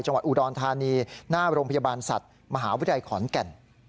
จังหวัดอุดรธานีหน้าโรงพยาบาลสัตว์มหาวิทยาลัยขอนแก่น